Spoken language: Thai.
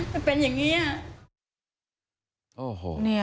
ถ้าเป็นอย่างนี้